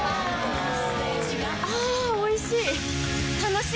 あぁおいしい！